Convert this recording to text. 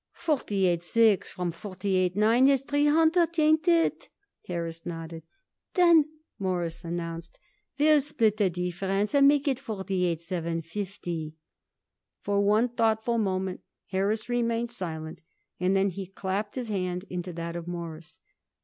"Forty eight six from forty eight nine is three hundred. Ain't it?" Harris nodded. "Then," Morris announced, "we'll split the difference and make it forty eight seven fifty." For one thoughtful moment Harris remained silent, and then he clapped his hand into that of Morris.